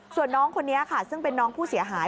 ส่วนน้องคนนี้ค่ะซึ่งเป็นน้องผู้เสียหาย